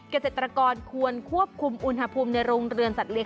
เกษตรกรควรควบคุมอุณหภูมิในโรงเรือนสัตเลี้